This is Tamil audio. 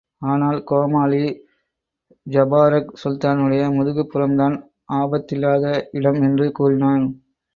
ஆனால் கோமாளி ஜபாரக் சுல்தானுடைய முதுகுப்புறம்தான் ஆபத்தில்லாத இடம் என்று கூறினான்.